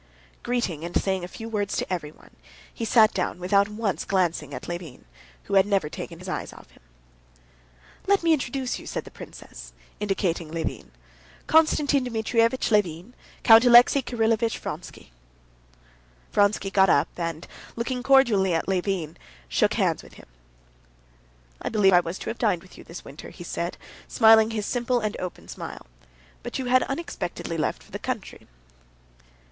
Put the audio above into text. Greeting and saying a few words to everyone, he sat down without once glancing at Levin, who had never taken his eyes off him. "Let me introduce you," said the princess, indicating Levin. "Konstantin Dmitrievitch Levin, Count Alexey Kirillovitch Vronsky." Vronsky got up and, looking cordially at Levin, shook hands with him. "I believe I was to have dined with you this winter," he said, smiling his simple and open smile; "but you had unexpectedly left for the country."